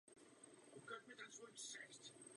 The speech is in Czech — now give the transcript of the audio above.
Už v mladí projevovala svou hlubokou víru v Boha.